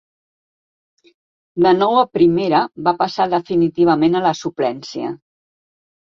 De nou a Primera, va passar definitivament a la suplència.